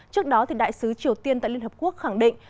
trước đó đại sứ triều tiên tại liên hợp quốc khẳng định